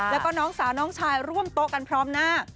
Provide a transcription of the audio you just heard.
แล้วก็น้องสาวน้องชายร่วมโต๊ะกันพร้อมหน้า